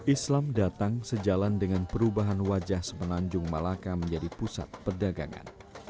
islam datang sejalan dengan perubahan wajah semenanjung malaka menjadi pusat perdagangan